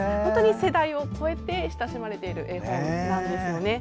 世代を超えて親しまれている絵本なんですよね。